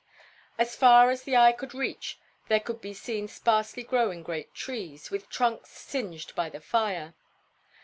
As far as the eye could reach could be seen sparsely growing great trees, with trunks singed by the fire.